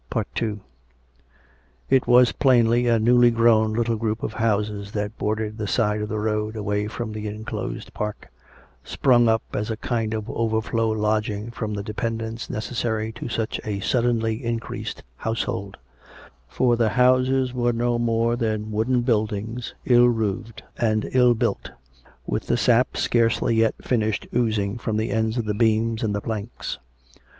II It was plainly a newly grown little group of houses that bordered the side of the road away from the enclosed park — sprung up as a kind of overflow lodging for the de pendants necessary to such a suddenly increased household ; for the houses were no more than wooden dwellings, ill roofed and ill built, with the sap scarcely yet finished oozing from the ends of the beams and the planks.